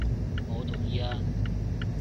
我同意啊！